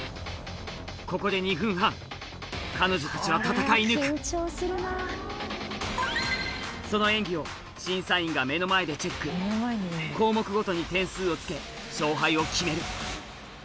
ここで２分半彼女たちは戦い抜くその演技を審査員が目の前でチェック項目ごとに点数をつけ勝敗を決める